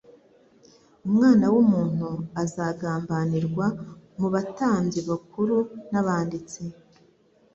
Umwana w'umuntu azagambanirwa mu batambyi bakuru n'abanditsi,